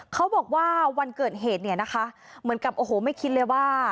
เขาบอกว่าวันเกิดเหตุเนี่ยนะคะเหมือนกับโอ้โหไม่คิดเลยว่า